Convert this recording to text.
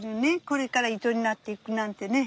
これから糸になっていくなんてね。